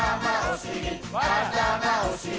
あたまおしり